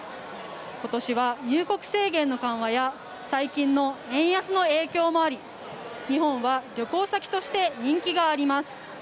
今年は、入国制限の緩和や最近の円安の影響もあり日本は旅行先として人気があります。